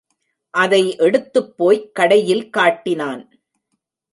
அதை எடுத்துப் போய்க் கடையில் காட்டினான்.